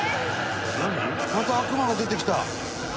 また悪魔が出てきた」